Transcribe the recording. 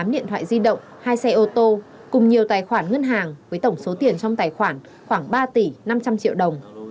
tám điện thoại di động hai xe ô tô cùng nhiều tài khoản ngân hàng với tổng số tiền trong tài khoản khoảng ba tỷ năm trăm linh triệu đồng